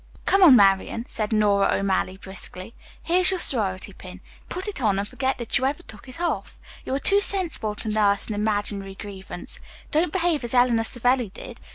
"Come on, Marian," said Nora O'Malley briskly. "Here's your sorority pin. Put it on and forget that you ever took it off. You are too sensible to nurse an imaginary grievance. Don't behave as Eleanor Savelli did.